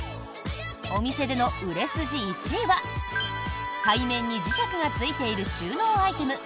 お店での売れ筋１位は背面に磁石がついている収納アイテム